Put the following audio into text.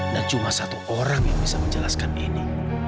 dan cuma satu orang yang bisa menjelaskan ini